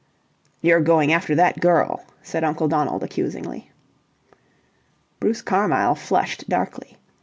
"You're going after that girl," said Uncle Donald, accusingly. Bruce Carmyle flushed darkly.